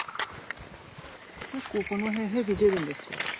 結構この辺ヘビ出るんですか？